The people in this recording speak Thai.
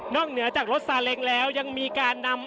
เหนือจากรถซาเล็งแล้วยังมีการนำ